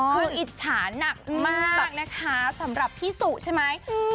คืออิจฉาหนักมากนะคะสำหรับพี่สุใช่ไหม